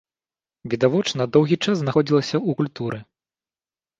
Відавочна, доўгі час знаходзілася ў культуры.